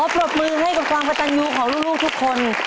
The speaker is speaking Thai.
ปรบมือให้กับความกระตันยูของลูกทุกคน